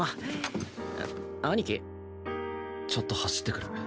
ちょっと走ってくる。